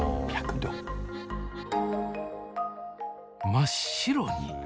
真っ白に。